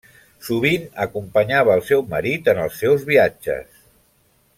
Sovint acompanyava el seu marit en els seus viatges.